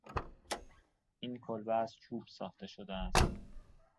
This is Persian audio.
این کلبه از چوب ساخته شده است.